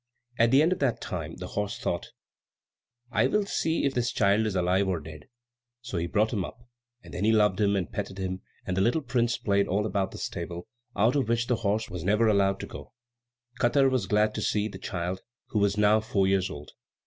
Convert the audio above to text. At the end of that time the horse thought, "I will see if this child is alive or dead." So he brought him up; and then he loved him, and petted him, and the little prince played all about the stable, out of which the horse was never allowed to go. Katar was very glad to see the child, who was now four years old.